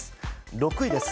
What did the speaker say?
６位です。